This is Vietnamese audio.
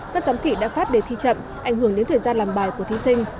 các giám thị đã phát đề thi chậm ảnh hưởng đến thời gian làm bài của thí sinh